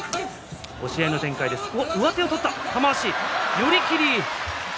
寄り切り。